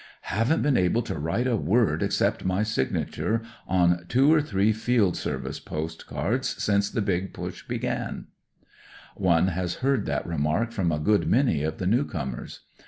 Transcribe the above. " Haven't been able to write a word except my signature on two or three field 142 mmmm NEWS FOR HOME O.C. COMPANY 148 service post cards since the big push began." One has heard that remark from a good many of the new comers.